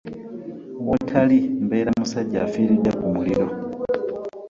Wotali mbeera musajja afiridde ku muliro .